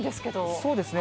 そうですね。